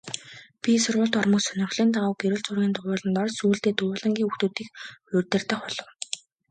Би сургуульд ормогц сонирхлын дагуу гэрэл зургийн дугуйланд орж сүүлдээ дугуйлангийн хүүхдүүдийг удирдах болов.